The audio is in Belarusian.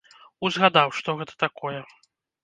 Узгадаў, што гэта такое.